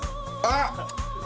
あっ！